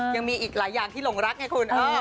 ยังมีอีกหลายอย่างที่หลงรักไงคุณ